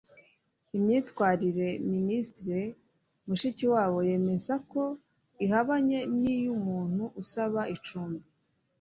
imyitwarire Minisitiri Mushikiwabo yemeza ko ihabanye ni y’umuntu usaba icumbi